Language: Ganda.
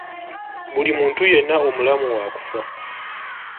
Buli muntu yenna omulamu waakufa.